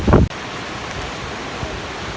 สวัสดีครับ